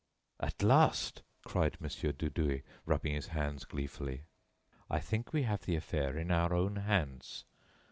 "At last," cried Mon. Dudouis, rubbing his hands gleefully, "I think we have the affair in our own hands.